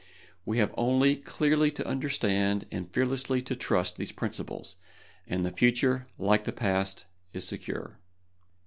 We have only clearly to understand and fearlessly to trust these principles, and the future, like the past, is secure.